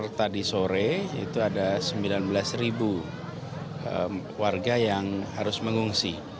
tadi sore itu ada sembilan belas ribu warga yang harus mengungsi